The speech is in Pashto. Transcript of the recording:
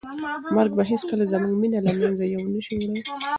مرګ به هیڅکله زموږ مینه له منځه یو نه شي وړی.